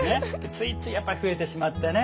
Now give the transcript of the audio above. ついついやっぱり増えてしまってね